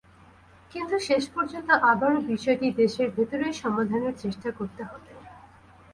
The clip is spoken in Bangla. কিন্তু, শেষ পর্যন্ত আবারও বিষয়টি দেশের ভেতরেই সমাধানের চেষ্টা করতে হবে।